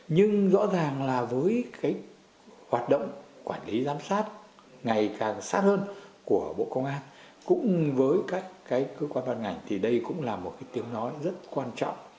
nhưng rõ ràng là với cái hoạt động quản lý giám sát ngày càng sát hơn của bộ công an cũng với các cái cơ quan ban ngành thì đây cũng là một cái tiếng nói rất quan trọng